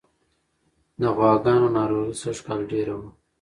د غواګانو ناروغي سږکال ډېره وه.